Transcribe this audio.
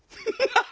ハハハ